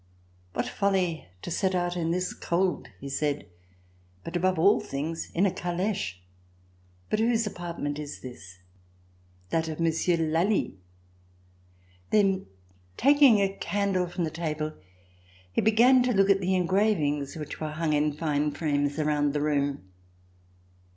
"What folly to set out in this cold!" he said. "And above all things, in a caleche. But whose apartment is this.?'* "That of Monsieur de Lally." Then, taking a candle from the table, he began to look at the engravings which were hung in fine frames around the room.